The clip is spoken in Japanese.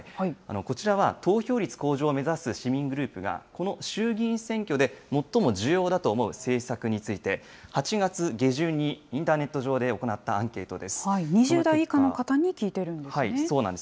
こちらは投票率向上を目指す市民グループが、この衆議院選挙で最も重要だと思う政策について、８月下旬にインターネット上で行っ２０代以下の方に聞いてるんそうなんです。